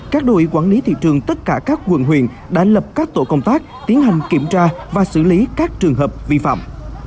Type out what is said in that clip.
các đội quản lý thị trường tất cả các quận huyện đã lập các tổ công tác tiến hành kiểm tra và xử lý các trường hợp vi phạm